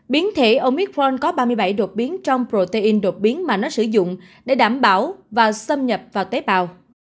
biến thể omicron có ba mươi bảy đột biến trong protein đột biến mà nó sử dụng để đảm bảo và xâm nhập vào tế bào